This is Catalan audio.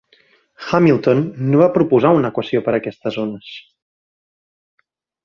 Hamilton no va proposar una equació per a aquestes ones.